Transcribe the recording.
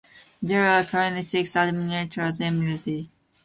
There are currently six administrators emeriti.